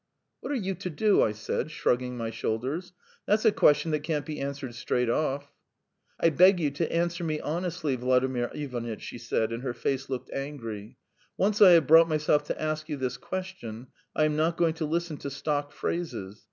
"What are you to do?" I said, shrugging my shoulders. "That's a question that can't be answered straight off." "I beg you to answer me honestly, Vladimir Ivanitch," she said, and her face looked angry. "Once I have brought myself to ask you this question, I am not going to listen to stock phrases.